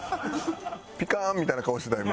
ピカン！みたいな顔してた今。